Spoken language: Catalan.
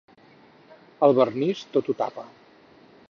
El vernís tot ho tapa.